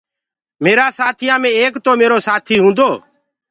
ميرآ سآٿيآ مي ايڪ تو ميرو سآٿيٚ هونٚدو